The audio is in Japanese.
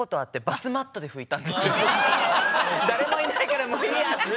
誰もいないからもういいやって。